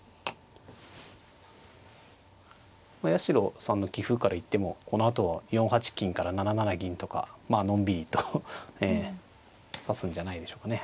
八代さんの棋風からいってもこのあとは４八金から７七銀とかまあのんびりと指すんじゃないでしょうかね。